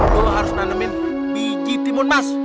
gue harus nanemin biji timun mas